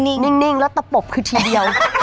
นิ่งแล้วตะปบคือทีเดียว